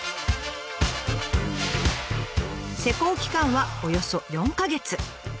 施工期間はおよそ４か月。